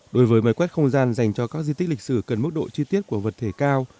đối với máy quét không gian dành cho các di tích lịch sử cần mức độ chi tiết của vật thể cao